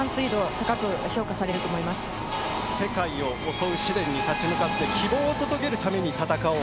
世界を襲う試練に戦う、希望を届けるために戦おう。